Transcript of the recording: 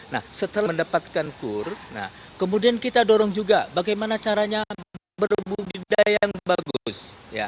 nah setelah mendapatkan kur kemudian kita dorong juga bagaimana caranya berbudidaya yang bagus